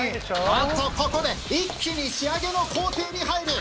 ああっとここで一気に仕上げの工程に入る。